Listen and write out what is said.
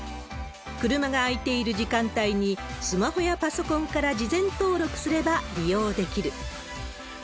車が空いている時間帯に、スマホやパソコンから事前登録すれば利用できる。